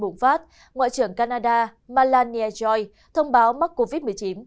ngoại trưởng canada melania joy thông báo mắc covid một mươi chín